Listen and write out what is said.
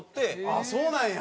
ああそうなんや！